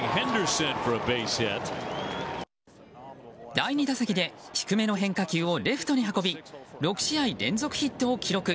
第２打席で低めの変化球をレフトに運び６試合連続ヒットを記録。